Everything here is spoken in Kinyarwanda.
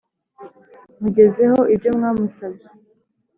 mugezeho ibyo mwamusabye